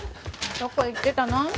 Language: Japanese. どこ行ってたの？